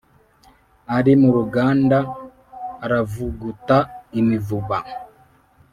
Ari mu ruganda, aravuguta imivuba,